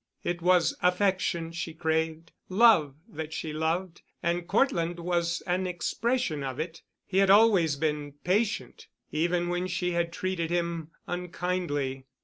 It was affection she craved, love that she loved, and Cortland was an expression of it. He had always been patient—even when she had treated him unkindly.